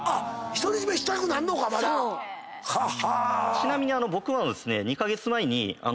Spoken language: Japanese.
ちなみに僕はですね。